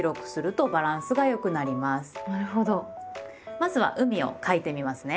まずは「海」を書いてみますね。